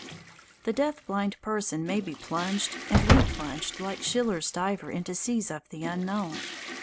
The deaf blind person may be plunged and replunged like Schiller's diver into seas of the unknown.